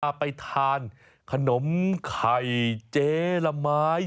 มาไปทานขะนมไข่เจ๋ลม้าย